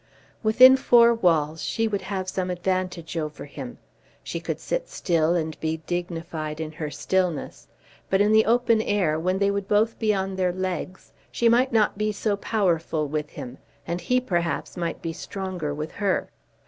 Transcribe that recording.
Within four walls she would have some advantage over him. She could sit still and be dignified in her stillness. But in the open air, when they would both be on their legs, she might not be so powerful with him, and he perhaps might be stronger with her.